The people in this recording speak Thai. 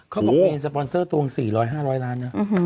เค้าบอกว่าเป็นสปอนเซอร์ตรง๔๐๐๕๐๐ล้านเนี่ยอื้อฮือ